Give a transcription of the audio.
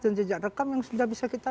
dan jejak rekam yang sudah bisa kita